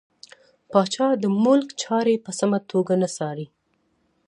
پاچا د ملک چارې په سمه توګه نه څاري .